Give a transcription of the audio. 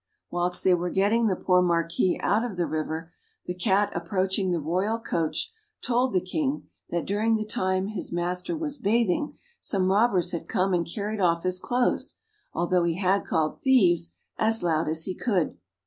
Whilst they were getting the poor Marquis out of the river, the Cat approaching the royal coach, told the King that during the time his master was bathing, some robbers had come and carried off his clothes, although he had called "Thieves!" as loud as he could.